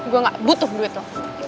gue gak butuh duit tuh